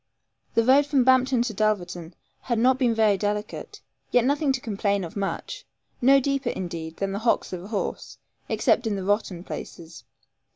The road from Bampton to Dulverton had not been very delicate, yet nothing to complain of much no deeper, indeed, than the hocks of a horse, except in the rotten places.